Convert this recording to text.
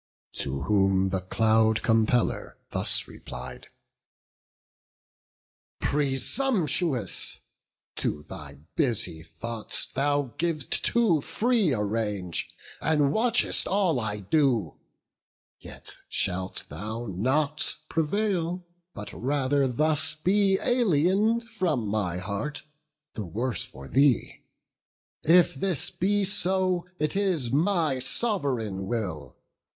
To whom the Cloud compeller thus replied: "Presumptuous, to thy busy thoughts thou giv'st Too free a range, and watchest all I do; Yet shalt thou not prevail, but rather thus Be alien'd from my heart—the worse for thee! If this be so, it is my sov'reign will.